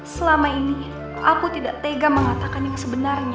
selama ini aku tidak tega mengatakan yang sebenarnya